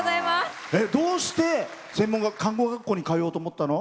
どうして看護学校に通おうと思ったの？